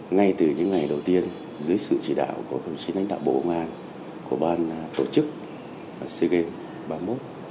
ngay từ những ngày đầu tiên dưới sự chỉ đạo của công sĩ lãnh đạo bộ công an của ban tổ chức sea games ba mươi một